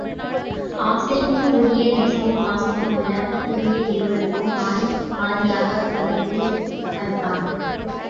ஆசைக்கு உரிய நேசமும் பாசமும் உள்ள பத்தினியர் இருவருக்கும் பாதி பாதியாகப் பகிர்ந்து அளித்தான்.